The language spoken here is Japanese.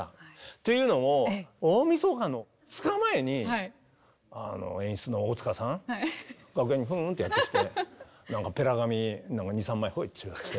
というのも、大みそかの２日前に演出の大塚さんが楽屋にふーんってやってきてぺら紙２３枚ふいって渡して。